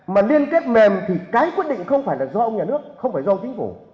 mà liên kết mềm thì cái quyết định không phải là do ông nhà nước không phải do chính phủ